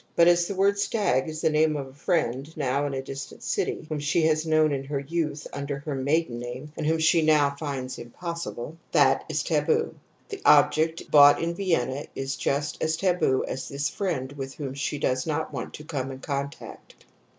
But as the word * stag ' is the name of a friend now in a distant city, whom she has known in her youth under her maiden name and whom she now finds ' impossible ', that is taboo, the object bought in Vienna is just as taboo as this friend with whom she does not want to come into contact.